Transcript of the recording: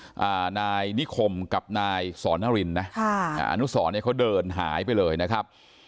นะคืนนายนิคมกับนายศรนรลินนะอานุศรเขาเดินหายไปเลยนะครับ